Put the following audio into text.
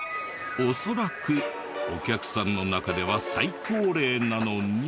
恐らくお客さんの中では最高齢なのに。